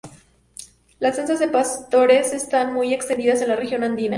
Las danzas de pastores están muy extendidas en la región andina.